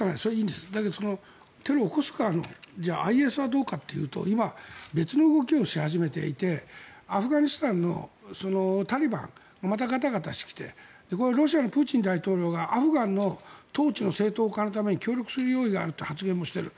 でも、テロを起こす側のＩＳはどうかというと今、別の動きをし始めていてアフガニスタンのタリバンがガタガタしてきてロシアのプーチン大統領がアフガンの統治の正当化のために協力する用意があると発言している。